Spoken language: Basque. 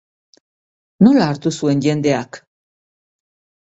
Nola hartu zuen jendeak?